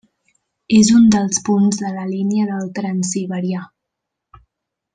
És un dels punts de la línia del Transsiberià.